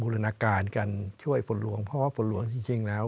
รณาการกันช่วยฝนหลวงเพราะว่าฝนหลวงจริงแล้ว